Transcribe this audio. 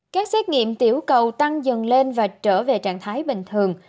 các xét nghiệm tiểu cầu tăng dần lên và trở về trạng thái bình thường